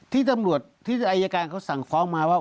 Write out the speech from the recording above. ที่ตำรวจที่อายการเขาสั่งฟ้องมาว่า